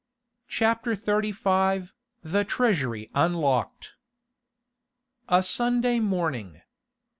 CHAPTER XXXV THE TREASURY UNLOCKED A Sunday morning.